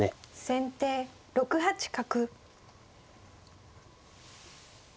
先手６八角。